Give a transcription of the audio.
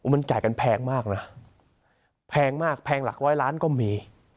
มันจ่ายกันแพงมากนะแพงมากแพงหลักร้อยล้านก็มี